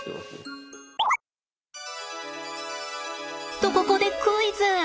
とここでクイズ！